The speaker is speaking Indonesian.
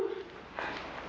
tuh ada apa sayang